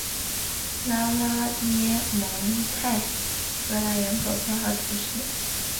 拉拉涅蒙泰格兰人口变化图示